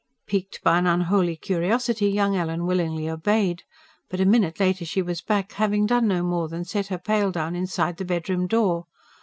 Piqued by an unholy curiosity young Ellen willingly obeyed. But a minute later she was back, having done no more than set her pail down inside the bedroom door.